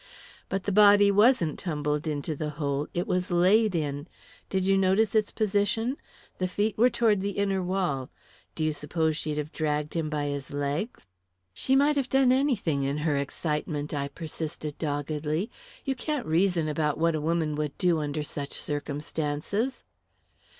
"But the body wasn't tumbled into the hole it was laid in. Did you notice its position the feet were toward the inner wall. Do you suppose she'd have dragged him by his legs?" "She might have done anything, in her excitement," I persisted doggedly. "You can't reason about what a woman would do under such circumstances."